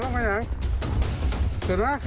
แบบนี้คือแบบนี้คือแบบนี้คือ